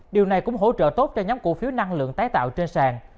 điều này cũng hỗ trợ tốt cho nhóm cổ phiếu năng lượng tái tạo trên sàn